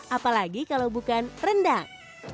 apalagi kalau bukan rendang